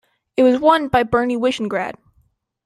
It was won by Bernie Wishengrad.